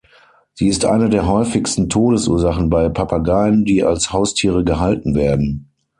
Sie ist eine der häufigsten Todesursachen bei Papageien, die als Haustiere gehalten werden.